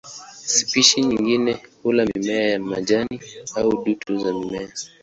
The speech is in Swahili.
Spishi nyingine hula mimea ya majini au dutu za mimea.